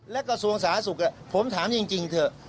และกระทรวงสาธารณสุขผมถามจริงเถอะ